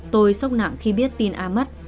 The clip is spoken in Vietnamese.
tôi sốc nặng khi biết tin a mất